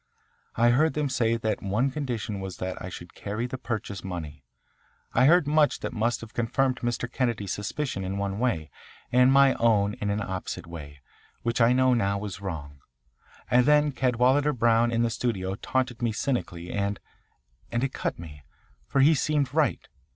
I heard them say that one condition was that I should carry the purchase money. I heard much that must have confirmed Mr. Kennedy's suspicion in one way, and my own in an opposite way, which I know now was wrong. And then Cadwalader Brown in the studio taunted me cynically and and it cut me, for he seemed right.